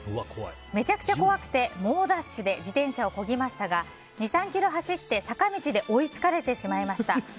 めちゃくちゃ怖くて猛ダッシュで自転車をこぎましたが２３ｋｍ走って坂道で追いつかれてしまいました。